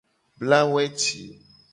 Bla weci.